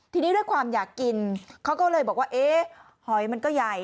ทีนี้ด้วยความอยากกินเขาก็เลยบอกว่าเอ๊ะหอยมันก็ใหญ่